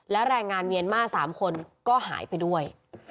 และแรงงานเมียนมาร์๓คนก็หายไปด้วย